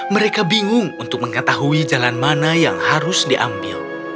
mereka bingung untuk mengetahui jalan mana yang harus diambil